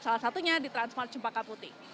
salah satunya di transmart cempaka putih